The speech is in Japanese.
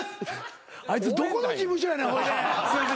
あいつどこの事務所やねんほいで。